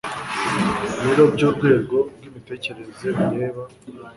biro by urwego rw imitegekere bireba